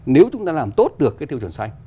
nếu chúng ta làm tốt được cái tiêu chuẩn xanh